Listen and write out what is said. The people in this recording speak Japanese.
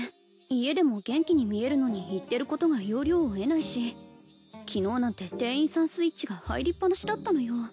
家でも元気に見えるのに言ってることが要領を得ないし昨日なんて店員さんスイッチが入りっぱなしだったのよ